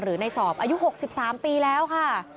ในสอบอายุ๖๓ปีแล้วค่ะ